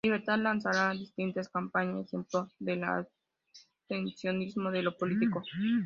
Libertad lanzará distintas campañas en pro del abstencionismo de lo político.